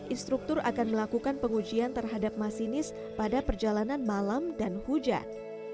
instruktur akan melakukan pengujian terhadap masinis pada perjalanan malam dan hujan